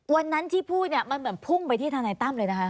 วันนั้นที่พูดเนี่ยมันเหมือนพุ่งไปที่ทนายตั้มเลยนะคะ